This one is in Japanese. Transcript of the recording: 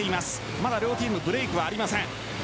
まだ両チームブレークはありません。